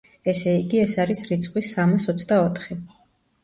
ესე იგი, ეს არის რიცხვი სამას ოცდაოთხი.